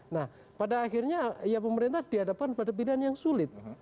nah pada akhirnya ya pemerintah dihadapkan pada pilihan yang sulit